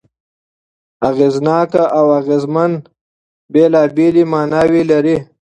اغېزناک او اغېزمن بېلابېلې ماناوې لري.